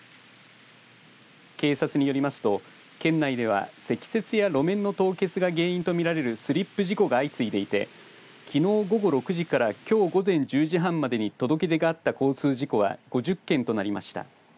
警察によりますと県内では積雪や路面の凍結が原因と見られるスリップ事故が相次いでいてきのう午後６時からきょう午前１１時半までに届け出があった交通事故は５０件となりました。